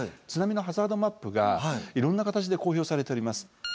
津波のハザードマップがいろんな形で公表されております。